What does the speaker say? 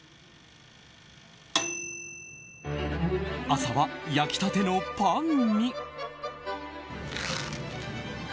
朝は焼き立てのパンに。